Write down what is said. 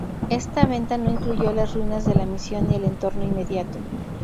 Esta venta no incluyó las ruinas de la Misión y el entorno inmediato.